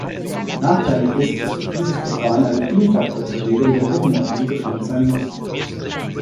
Nachteilig ist, dass für dieses Verfahren eine Primfaktorzerlegung der Gruppenordnung bekannt sein muss.